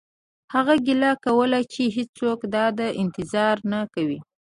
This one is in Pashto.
هغه ګیله کوله چې هیڅوک د ده انتظار نه کوي